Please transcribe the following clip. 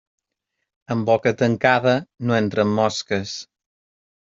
En boca tancada no entren mosques.